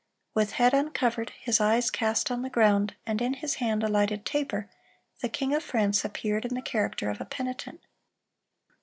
With "head uncovered, his eyes cast on the ground, and in his hand a lighted taper," the king of France appeared "in the character of a penitent."